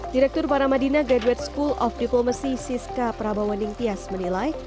direktur paramadina gadget school of diplomacy siska prabowo ningtyas menilai